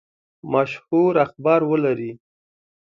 مشهور اخبار ولري.